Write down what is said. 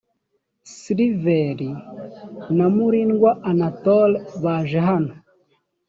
sylvre na mulindwa anatole baje hano